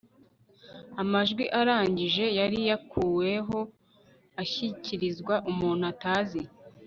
amajwi, arangije yari yakuweho ashyikirizwa umuntu atazi